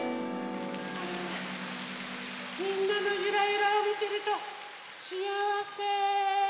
みんなのゆらゆらをみてるとしあわせ。